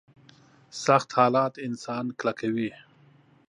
سخت حالات انسان کلکوي.